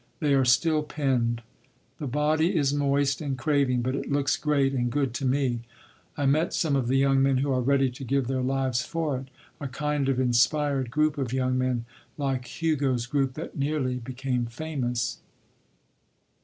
They are still pinned. The body is moist and craving, but it looks great and good to me. I met some of the young men who are ready to give their lives for it—a kind of inspired group of young men, like Hugo’s group that nearly became famous.